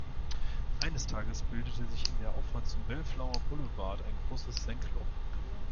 Eines Tages bildete sich in der Auffahrt zum Bellflower Boulevard ein großes Senkloch.